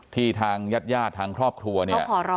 ที่ทางญาติย่าทางครอบครัวเนี่ย